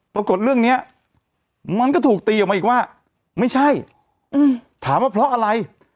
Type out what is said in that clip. ปรากฏเรื่องนี้มันก็ถูกตีออกมาอีกว่าไม่ใช่ถามว่าเพราะอะไร